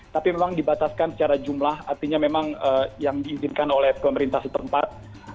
tapi memang dibataskan secara jumlah artinya memang yang diizinkan oleh pemerintah setempat